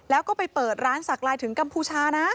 แล้วก็ไปเปิดร้านสักลายถึงกัมพูชานะ